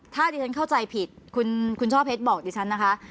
ถ้าดิฉันเข้าใจผิดคุณช่อเพชรบอกดิฉันนะคะ